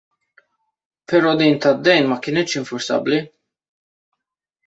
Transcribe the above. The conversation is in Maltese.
Però din tad-dejn ma kenitx infurzabbli.